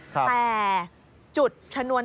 แต่จุดชนวน